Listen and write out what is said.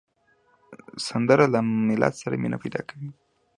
سندره له ملت سره مینه پیدا کوي